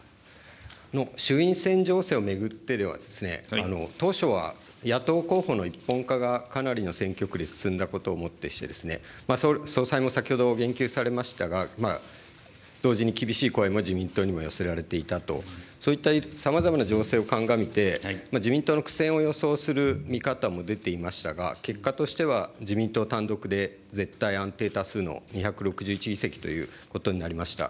衆院選情勢を巡っては、当初は野党候補の一本化がかなりの選挙区で進んだことをもってして、総裁も先ほど言及されましたが、同時に厳しい声も自民党にも寄せられていたと、そういったさまざまな情勢を鑑みて、自民党の苦戦を予想する見方も出ていましたが、結果としては、自民党単独で絶対安定多数の２６１議席ということになりました。